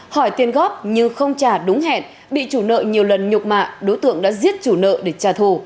hỏi tiền góp nhưng không trả đúng hẹn bị chủ nợ nhiều lần nhục mạ đối tượng đã giết chủ nợ để trả thù